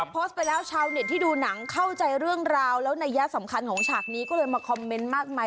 โพสต์ไปแล้วชาวเน็ตที่ดูหนังเข้าใจเรื่องราวแล้วนัยยะสำคัญของฉากนี้ก็เลยมาคอมเมนต์มากมาย